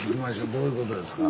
どういうことですか？